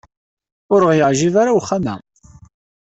Ur aɣ-yeɛjib ara uxxam-a.